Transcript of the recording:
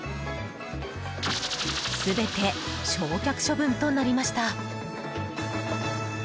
全て焼却処分となりました。